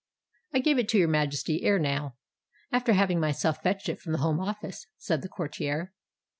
"I gave it to your Majesty ere now, after having myself fetched it from the Home Office," said the courtier.